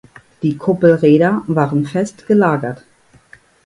Die Kuppelräder waren fest gelagert.